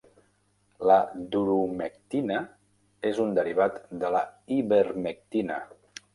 La doramectina és un derivat de la ivermectina.